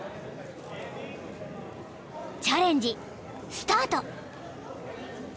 ［チャレンジスタート］